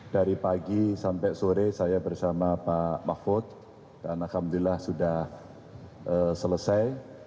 dari pagi sampai sore saya bersama pak mahfud dan alhamdulillah sudah selesai